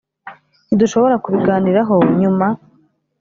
ntidushobora kubiganiraho nyuma?